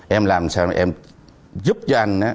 em làm sao em giúp cho anh